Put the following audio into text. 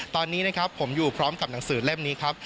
ตอนนี้นะครับผมอยู่พร้อมกับหนังสือเล่มนี้ครับ